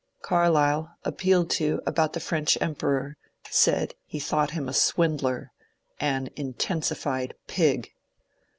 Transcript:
Carlyle, appealed to about the French Emperor, said he thought him a swindler — an intensified pig.